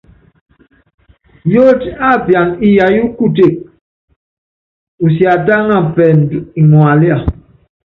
Yótí ápiana iyayɔ́ kuteke, usiatáŋa pɛɛndú iŋalía.